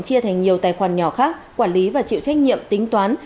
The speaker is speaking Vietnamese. chia thành nhiều tài khoản nhỏ khác quản lý và chịu trách nhiệm tính toán